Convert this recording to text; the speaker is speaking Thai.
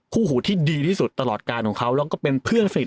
หูที่ดีที่สุดตลอดการของเขาแล้วก็เป็นเพื่อนสนิท